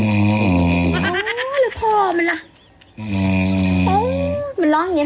ลูกอัวร้องไงนะ